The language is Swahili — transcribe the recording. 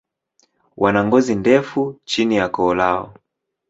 Wana ngozi ndefu chini ya koo lao.